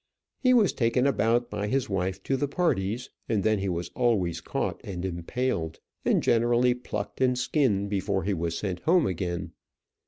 He was taken about by his wife to the parties, and then he was always caught and impaled, and generally plucked and skinned before he was sent home again.